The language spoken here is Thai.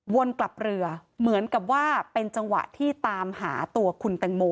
กลับเรือเหมือนกับว่าเป็นจังหวะที่ตามหาตัวคุณแตงโม